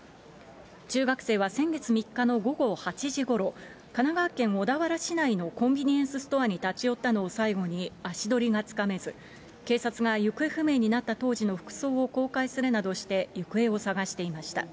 中学生は先月３日の午後８時ごろ、神奈川県小田原市内のコンビニエンスストアに立ち寄ったのを最後に足取りがつかめず、警察が行方不明になった当時の服装を公開するなどして、行方を捜していました。